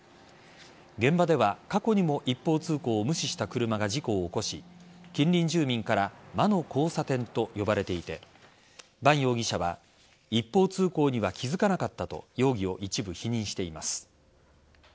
現場では、過去にも一方通行を無視した車が事故を起こし近隣住民から魔の交差点と呼ばれていて伴容疑者は一方通行には気づかなかったと容疑を一部否認しています。